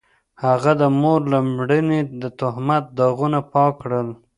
هغه د مور له لمنې د تهمت داغونه پاک کړل.